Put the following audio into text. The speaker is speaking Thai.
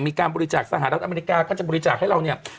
มีการบริจาคสหรัฐอเมริกาก็จะบริจาคให้เราเนี่ย